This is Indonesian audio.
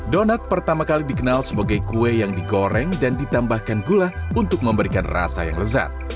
donat pertama kali dikenal sebagai kue yang digoreng dan ditambahkan gula untuk memberikan rasa yang lezat